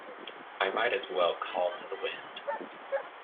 I might as well call to the wind.